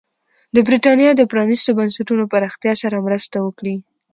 د برېټانیا د پرانېستو بنسټونو پراختیا سره مرسته وکړي.